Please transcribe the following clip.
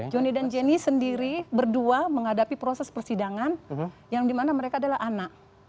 joni dan jenny sendiri berdua menghadapi proses persidangan yang dimana mereka adalah anak